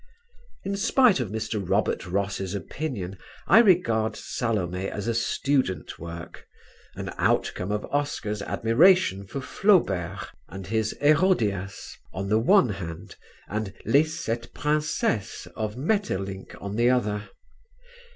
In spite of Mr. Robert Ross's opinion I regard "Salome," as a student work, an outcome of Oscar's admiration for Flaubert and his "Herodias," on the one hand, and "Les Sept Princesses," of Maeterlinck on the other.